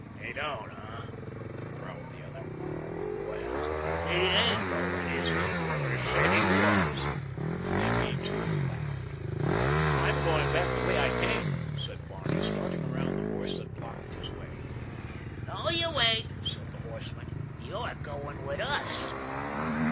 "He don't, eh?" growled the other. "Well, he ain't goin', is he? Who ever said he was?" And then he, too, laughed. "I'm going back the way I came," said Barney, starting around the horse that blocked his way. "No, you ain't," said the horseman. "You're goin' with us."